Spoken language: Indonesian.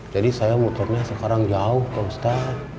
jadi saya motornya sekarang jauh pak ustadz